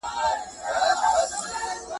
عزت په رښتیا ویلو او نېک اخلاقو کي دی.